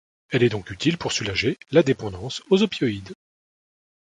Elle est donc utile pour soulager la dépendance aux opioïdes.